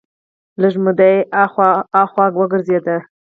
لږه موده دې خوا ها خوا وګرځېد.